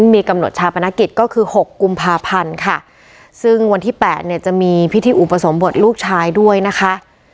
มีกำหนดชาปนกิจก็คือหกกุมภาพันธ์ค่ะซึ่งวันที่แปดเนี่ยจะมีพิธีอุปสมบทลูกชายด้วยนะคะ